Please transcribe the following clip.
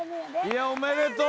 おめでとう。